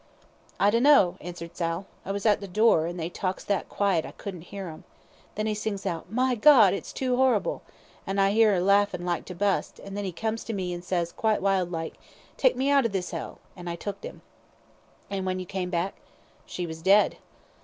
"I dunno," answered Sal. "I was at the door, an' they talks that quiet I couldn't 'ear 'em. Then he sings out, 'My G , it's too horrible!' an' I 'ear 'er a larfin' like to bust, an' then 'e comes to me, and ses, quite wild like, 'Take me out of this 'ell!' an' I tooked 'im." "And when you came back?" "She was dead."